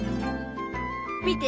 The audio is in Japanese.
見て！